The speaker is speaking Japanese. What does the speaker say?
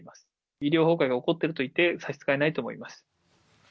医療崩壊が起こっていると言って差し支えないと思います。